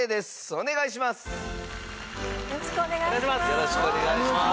よろしくお願いします。